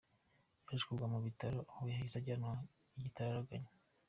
Yaje kugwa mu bitaro aho yahise ajyanwa igitaraganya.